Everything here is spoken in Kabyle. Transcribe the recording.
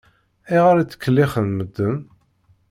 Ayɣer i ttkellixen medden?